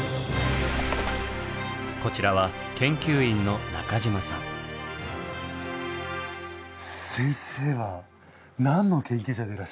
こちらは先生は何の研究者でいらっしゃいますか？